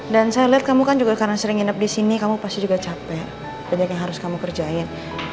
dan saya lihat kamu kan juga karena sering hidup di sini kamu pasti juga capek banyak yang harus kamu kerjain